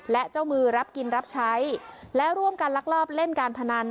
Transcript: และเจ้ามือรับกินรับใช้และร่วมกันลักลอบเล่นการพนัน